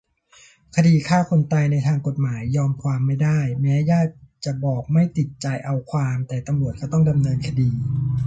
คดีฆ่าคนตาย ในทางกฎหมาย "ยอมความไม่ได้" แม้ญาติจะบอกไม่ติดใจเอาความ แต่ตำรวจก็ต้องดำเนินคดี